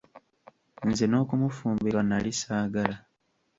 Nze n'okumufumbirwa nali saagala.